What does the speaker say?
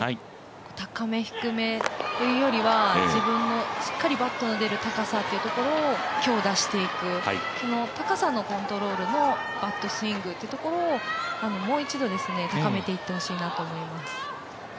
高め、低めというよりは自分のしっかりバットの出る高さというところを強打していくその高さのコントロールのバッドスイングってところをもう一度高めていってほしいなと思います。